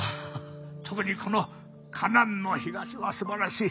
特にこの『カナンの東』は素晴らしい。